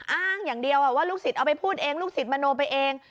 อ้างอย่างเดียวว่าลูกศิษย์เอาไปพูดเองลูกศิษย์มโนไปเอง